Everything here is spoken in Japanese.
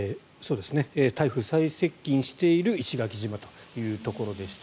台風最接近している石垣島というところでした。